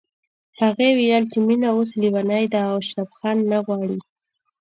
هغې ويل چې مينه اوس ليونۍ ده او اشرف خان نه غواړي